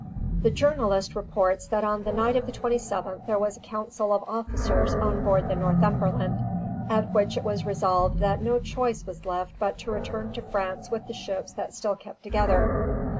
The journalist reports that on the night of the 27th there was a council of officers on board the "Northumberland," at which it was resolved that no choice was left but to return to France with the ships that still kept together.